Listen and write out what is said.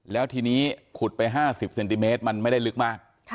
แล้วทีนี้ขุดไป๕๐เซนติเมตรมันไม่ได้ลึกมาก